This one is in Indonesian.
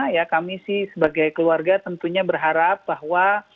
ya kami sih sebagai keluarga tentunya berharap bahwa